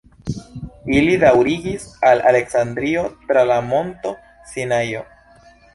Ili daŭrigis al Aleksandrio tra la Monto Sinajo.